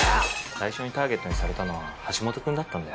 最初にターゲットにされたのは橋本くんだったんだよ。